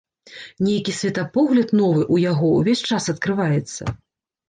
Нейкі светапогляд новы ў яго ўвесь час адкрываецца.